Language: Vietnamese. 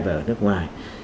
và ở nước ngoài